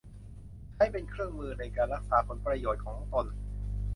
ใช้เป็นเครื่องมือในการรักษาผลประโยชน์ของตน